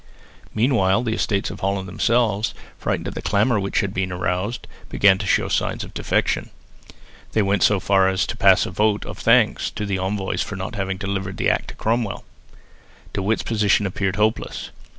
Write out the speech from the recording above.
Meanwhile the Estates of Holland themselves, frightened at the clamour which had been aroused, began to show signs of defection. They went so far as to pass a vote of thanks to the envoys for not having delivered the Act to Cromwell. De Witt's position appeared hopeless.